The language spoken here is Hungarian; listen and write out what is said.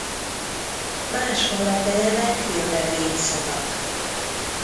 Más alapelemek jövevényszavak.